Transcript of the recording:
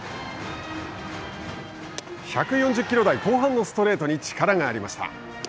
１４０キロ台後半のストレートに力がありました。